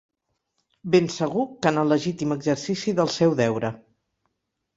Ben segur que en el legítim exercici del seu deure.